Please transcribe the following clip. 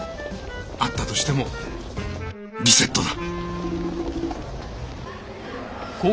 あったとしてもリセットだ。